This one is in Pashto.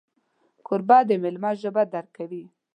کوربه د میلمه ژبه درک کوي.